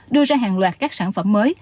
đưa ra hàng loạt các sản phẩm mới